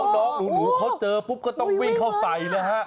น้องหนูเขาเจอปุ๊บก็ต้องวิ่งเข้าใส่นะฮะ